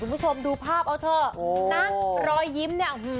คุณผู้ชมดูภาพเอาเถอะนะรอยยิ้มเนี่ย